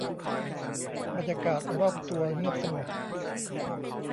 บรรยากาศรอบตัวเงียบสงบ